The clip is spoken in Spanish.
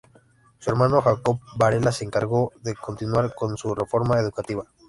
Su hermano Jacobo Varela se encargó de continuar con su reforma educativa.